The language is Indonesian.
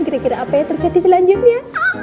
kira kira apa yang terjadi selanjutnya